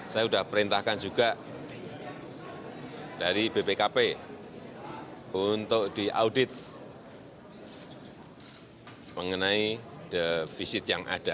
saya sudah perintahkan juga dari bpkp untuk diaudit mengenai defisit yang ada